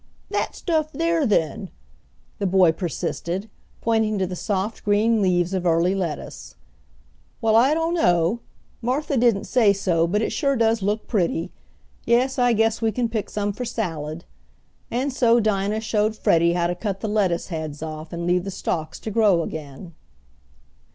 "That stuff there, then," the boy persisted, pointing to the soft green leaves of early lettuce. "Well, I dunno. Martha didn't say so, but it sure does look pretty. Yes, I guess we kin pick some fo' salad," and so Dinah showed Freddie how to cut the lettuce heads off and leave the stalks to grow again.